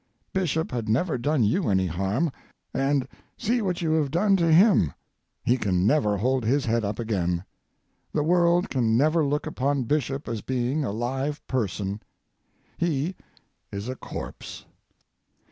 Bishop had never done you any harm, and see what you have done to him. He can never hold his head up again. The world can never look upon Bishop as being a live person. He is a corpse."